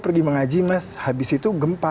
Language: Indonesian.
pergi mengaji mas habis itu gempa